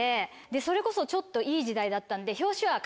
それこそちょっといい時代だったんで。